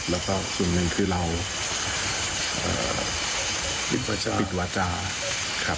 และสิ่งหนึ่งที่เราปิดวาจา